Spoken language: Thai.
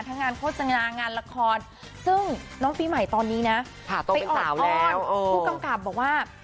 งานโฆษณางานละครซึ่งน้องปีใหม่ตอนนี้นะไปออดอ้อนผู้กำกับบอกว่า